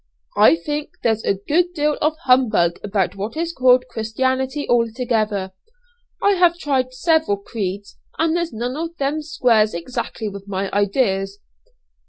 I think there's a good deal of humbug about what is called Christianity altogether. I have tried several creeds, and there's none of them squares exactly with my ideas."